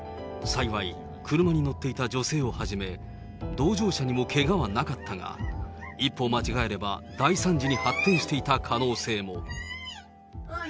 幸い、車に乗っていた女性をはじめ、同乗者にもけがはなかったが、一歩間違えれば、大惨事に発展していた可能性も。